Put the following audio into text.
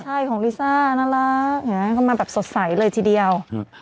ใช่ของลิซ่าน่ารักเข้ามาแบบสดใสเลยทีเดียว